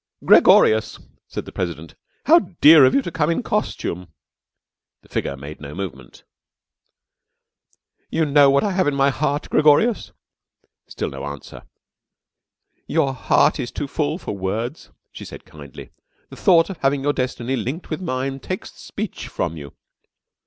"Gregorius!" said the President. "How dear of you to come in costume!" The figure made no movement. "You know what I have in my heart, Gregorius?" Still no answer. "Your heart is too full for words," she said kindly. "The thought of having your destiny linked with mine takes speech from you.